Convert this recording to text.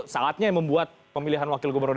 saatnya yang membuat pemilihan wakil gubernur